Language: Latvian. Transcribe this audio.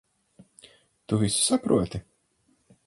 Tu visu saproti.